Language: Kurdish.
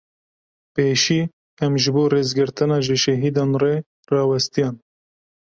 Pêşî em ji bo rêzgirtina ji şehîdan re rawestiyan.